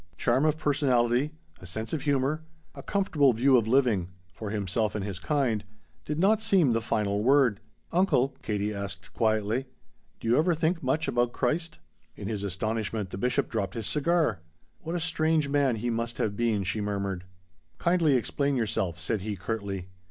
Charm of personality, a sense of humor, a comfortable view of living (for himself and his kind) did not seem the final word. "Uncle," Katie asked quietly, "do you ever think much about Christ?" In his astonishment the Bishop dropped his cigar. "What a strange man he must have been," she murmured. "Kindly explain yourself," said he curtly.